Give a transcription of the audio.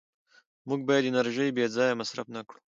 موږ باید انرژي بېځایه مصرف نه کړو